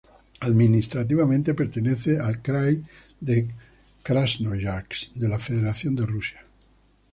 Administrativamente, pertenece al krai de Krasnoyarsk de la Federación de Rusia.